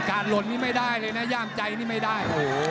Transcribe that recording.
หล่นนี่ไม่ได้เลยนะย่ามใจนี่ไม่ได้